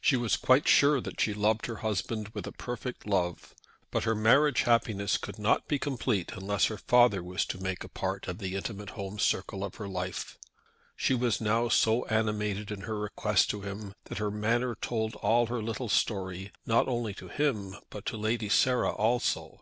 She was quite sure that she loved her husband with a perfect love. But her marriage happiness could not be complete unless her father was to make a part of the intimate home circle of her life. She was now so animated in her request to him, that her manner told all her little story, not only to him, but to Lady Sarah also.